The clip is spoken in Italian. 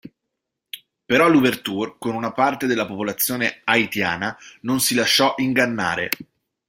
Però Louverture, con una parte della popolazione haitiana, non si lasciò ingannare.